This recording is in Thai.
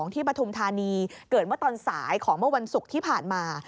ปฐุมธานีเกิดเมื่อตอนสายของเมื่อวันศุกร์ที่ผ่านมา